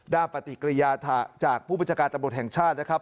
ปฏิกิริยาธะจากผู้บัญชาการตำรวจแห่งชาตินะครับ